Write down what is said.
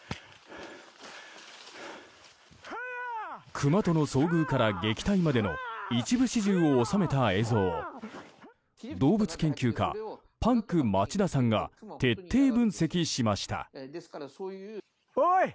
クマとの遭遇から撃退までの一部始終を収めた映像を動物研究家・パンク町田さんが徹底分析しました。